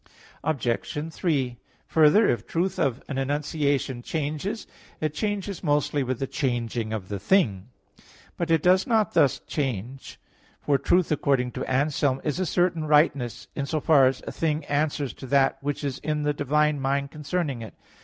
Obj. 3: Further, if the truth of an enunciation changes, it changes mostly with the changing of the thing. But it does not thus change. For truth, according to Anselm (De Verit. viii), "is a certain rightness" in so far as a thing answers to that which is in the divine mind concerning it.